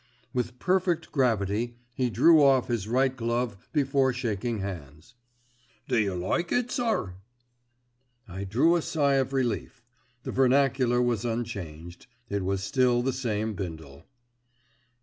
With perfect gravity he drew off his right glove before shaking hands. "D'yer like it, sir?" I drew a sigh of relief. The vernacular was unchanged; it was still the same Bindle.